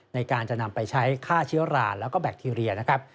ในการจะนำไปใช้ฆ่าเชื้อราแล้วก็แบคทีเรียนะครับ